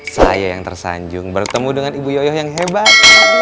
saya yang tersanjung bertemu dengan ibu yoyo yang hebat